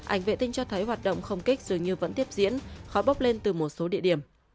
ảnh vệ tinh cho thấy hoạt động không kích dường như vẫn tiếp diễn khói bốc lên từ một số địa điểm